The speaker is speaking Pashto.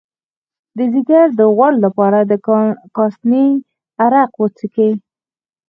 د ځیګر د غوړ لپاره د کاسني عرق وڅښئ